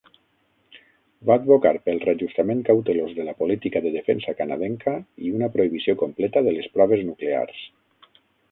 Va advocar pel reajustament cautelós de la política de defensa canadenca i una prohibició completa de les proves nuclears.